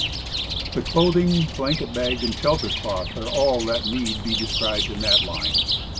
THE clothing, blanket bag and shelter cloth are all that need be described in that line.